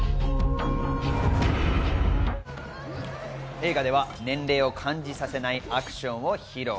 映画では、年齢を感じさせないアクションを披露。